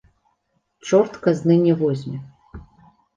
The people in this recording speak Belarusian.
Чорт казны не возьме.